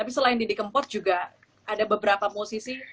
tapi selain didi kempot juga ada beberapa musisi